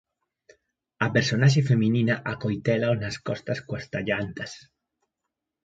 A personaxe feminina acoitélao nas costas coas tallantas.